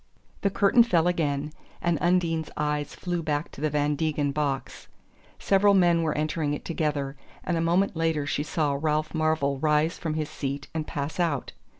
The curtain fell again, and Undine's eyes flew back to the Van Degen box. Several men were entering it together, and a moment later she saw Ralph Marvell rise from his seat and pass out.